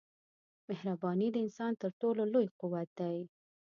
مهرباني د انسان تر ټولو لوی قوت دی.